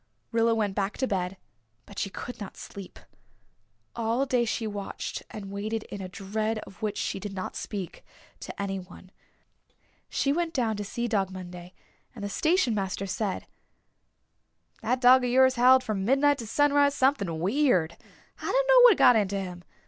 Rilla went back to bed but she could not sleep. All day she watched and waited in a dread of which she did not speak to anyone. She went down to see Dog Monday and the station master said, "That dog of yours howled from midnight to sunrise something weird. I dunno what got into him.